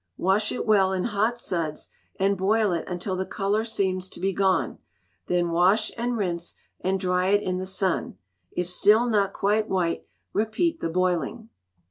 Wash it well in hot suds, and boil it until the colour seems to be gone, then wash, and rinse, and dry it in the sun; if still not quite white, repeat the boiling.